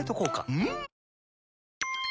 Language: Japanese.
うん！